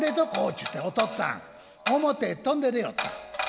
ちゅうておとっつぁん表へ飛んで出よった。